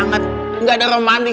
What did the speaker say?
yuk yuk yuk yuk